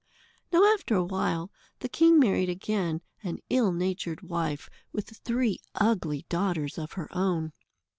Now, after a while, the king married again an ill natured wife, with three ugly daughters of her own.